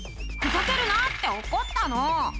「ふざけるな！」って怒ったの。